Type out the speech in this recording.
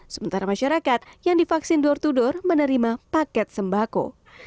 sementara masyarakat yang divaksin door to door menerima paket sembako